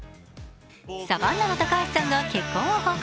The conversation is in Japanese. サバンナの高橋さんが結婚を報告。